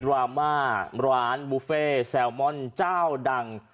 รามาร้านบุฟเฟ่แซลมอนเจ้าดัง